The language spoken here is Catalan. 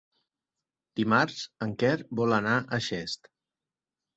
Dimarts en Quer vol anar a Xest.